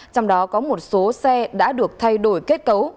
trong đó có một số xe đã được thay đổi kết cấu